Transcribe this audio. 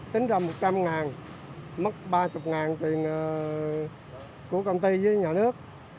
tính ra một trăm linh mất ba mươi tiền của công ty với nhà nước